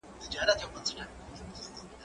زه پرون ليکنه کوم!.